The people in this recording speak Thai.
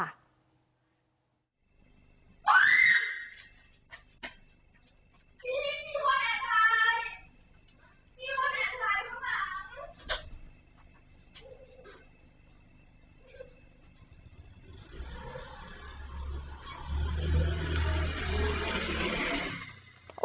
นี่นี่คนใดใครนี่คนใดใครค่ะ